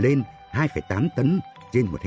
lên hai tám tấn trên một hectare